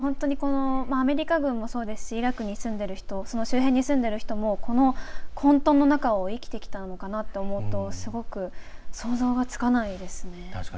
本当に、アメリカ軍もそうですしイラクに住んでいる人その周辺に住んでる人もこの混とんの中を生きてきたのかなと思うとすごく想像がつかないですね。